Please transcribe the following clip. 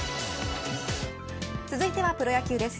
続いてはプロ野球です。